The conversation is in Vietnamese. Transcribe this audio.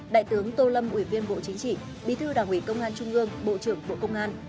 đại tướng tô lâm ủy viên bộ chính trị bí thư đảng ủy công an trung ương bộ trưởng bộ công an